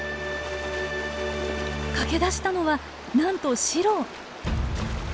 駆け出したのはなんとシロ！